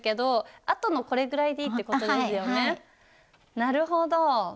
なるほど！